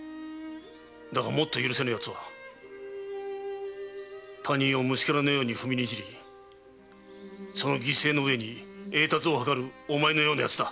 だがもっと許せぬ奴は他人を虫ケラのように踏みにじりその犠牲の上に栄達を計るお前のような奴だ。